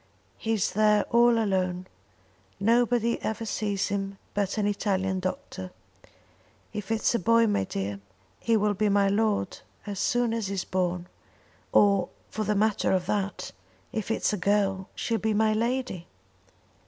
He is there all alone. Nobody ever sees him but an Italian doctor. If it's a boy, my dear, he will be my lord as soon as he's born; or for the matter of that, if it's a girl she will be my lady."